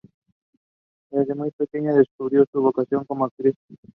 Filipino lyrics for the hymn were also subsequently written.